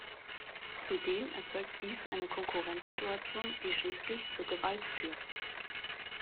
Zudem erzeugt dies eine Konkurrenzsituation, die schließlich zu Gewalt führt.